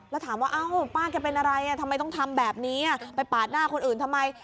แล้วถามว่าเอ้าป้าแกเป็นอะไรทำไมต้องทำแบบนี้ไปปาดหน้าคนอื่นทำไม